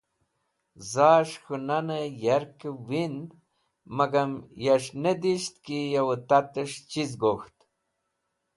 Zas̃h k̃hũ nanẽ yarkẽ wind magam yas̃h ne disht ki yo tats̃h chiz gok̃ht.